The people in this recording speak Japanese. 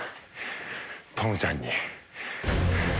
トムちゃんに。